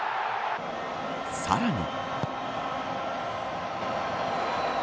さらに。